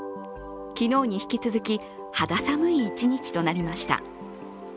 昨日に引き続き、肌寒い一日となりました。